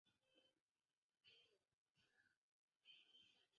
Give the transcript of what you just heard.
有研究认为这里的部分绘像实际上是汉字的雏形。